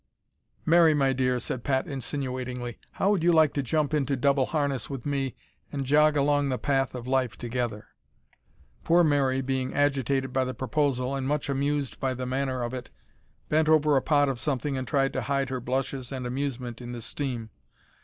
"Mary, my dear," said Pat insinuatingly, "how would you like to jump into double harness with me an' jog along the path o' life together?" Poor Mary, being agitated by the proposal, and much amused by the manner of it, bent over a pot of something and tried to hide her blushes and amusement in the steam.